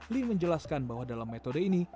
lee menjelaskan bahwa dalam metode ini